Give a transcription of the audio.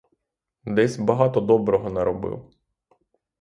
Десь багато доброго наробив.